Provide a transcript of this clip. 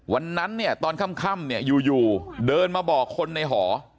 วันนั้นเนี่ยตอนค่ำเนี่ยอยู่เดินมาบอกคนในหอ